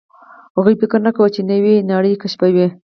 هغوی فکر نه کاوه، چې نوې نړۍ کشفوي.